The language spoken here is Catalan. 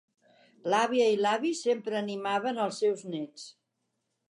L'àvia i l'avi sempre animaven els seus nets.